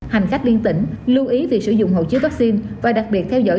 hành khách liên tỉnh lưu ý về sử dụng hậu chứa vaccine và đặc biệt theo dõi